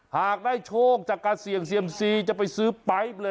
หากได้โชคจากการเสี่ยงเซียมซีจะไปซื้อไปเลย